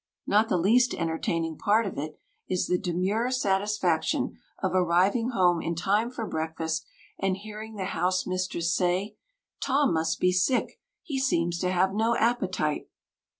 Not the least entertaining part of it is the demure satisfaction of arriving home in time for breakfast and hearing the house mistress say: "Tom must be sick; he seems to have no appetite."